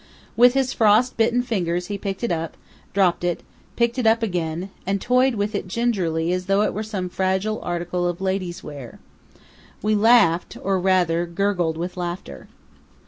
With his frost bitten fingers he picked it up, dropped it, picked it up again, and toyed with it gingerly as though it were some fragile article of lady's wear. We laughed, or rather gurgled with laughter.